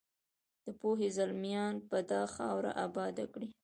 د پوهې زلمیان به دا خاوره اباده کړي.